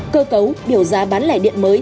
cơ cấu biểu giá bán lẻ điện mới